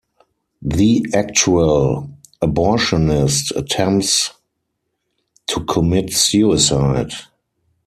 The actual abortionist attempts to commit suicide.